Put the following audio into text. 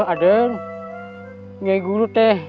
ada yang nyai guru